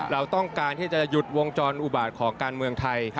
เราต้องการที่จะหยุดวงจรอุบาตของการเมืองไทย